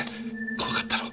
怖かったろう？